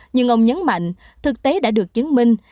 nhưng ông nhấn mạnh thực tế đã được chứng minh